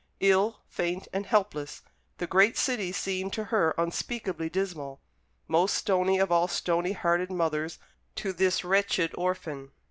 Ill, faint, and helpless, the great city seemed to her unspeakably dismal most stony of all stony hearted mothers to this wretched orphan.